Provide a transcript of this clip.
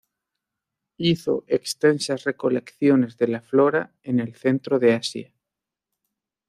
Hizo extensas recolecciones de la flora en el centro de Asia.